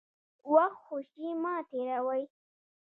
وخت خوشي مه تېروئ.